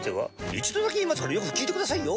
一度だけ言いますからよく聞いてくださいよ。